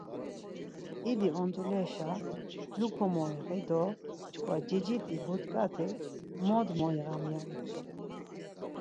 İdi ont̆uleşa lu komoiği do çkva ciciti but̆ǩati mot moiğam ya utzu.